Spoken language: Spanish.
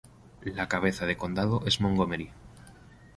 La cabeza de condado es Montgomery.